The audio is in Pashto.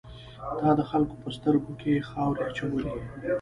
تا د خلکو په سترګو کې خاورې واچولې.